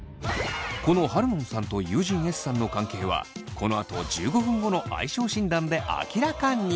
このハルノンさんと友人Ｓさんの関係はこのあと１５分後の相性診断で明らかに。